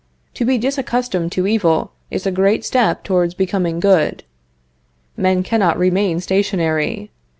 To be disaccustomed to evil is a great step towards becoming good. Men cannot remain stationary.